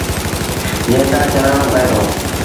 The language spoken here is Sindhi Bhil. جݩهݩ تآݩ چڙهڻو پئي دو۔